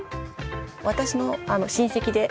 私の親戚で。